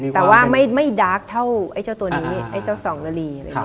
แต่ว่าไม่ดาร์กเท่าไอ้เจ้าตัวนี้ไอ้เจ้าส่องละลี